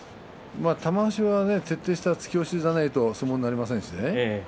玉鷲は徹底した突き押しじゃないと相撲にはなりませんしね。